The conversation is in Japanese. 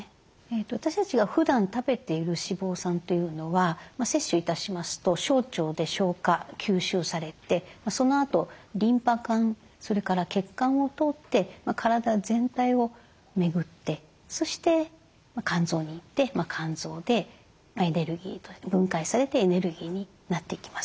私たちがふだん食べている脂肪酸というのは摂取いたしますと小腸で消化吸収されてそのあとリンパ管それから血管を通って体全体を巡ってそして肝臓に行って肝臓で分解されてエネルギーになっていきます。